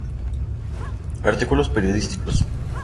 Artículos periodísticos